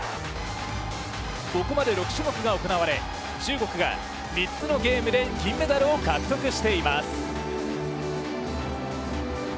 ここまで６種目が行われ、中国が３つのゲームで金メダルを獲得しています。